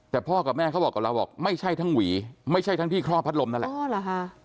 แต่พ่อกับแม่เขาบอกกับเราไม่ใช่ทั้งหวีไม่ใช่ทั้งที่เคราะห์พัดลมนั่นแหละ